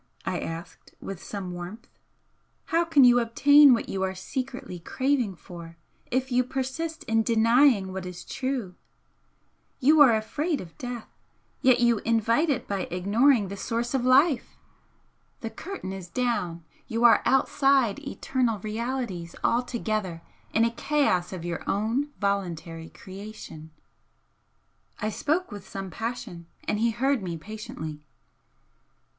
I asked, with some warmth "How can you obtain what you are secretly craving for, if you persist in denying what is true? You are afraid of death yet you invite it by ignoring the source of life! The curtain is down, you are outside eternal realities altogether in a chaos of your own voluntary creation!" I spoke with some passion, and he heard me patiently.